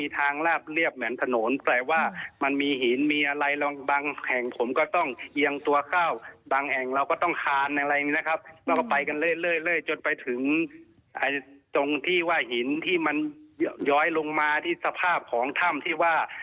ที่มันย้อยลงมาที่สภาพของถ้ำที่ว่า